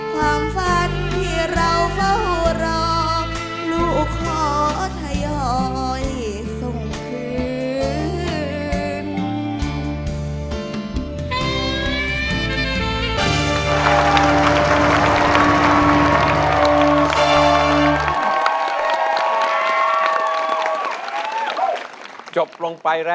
ความฝันที่เราเฝ้ารอ